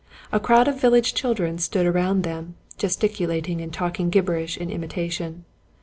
A crowd of vil lage children stood around them, gesticulating and talking gibberish in imitation.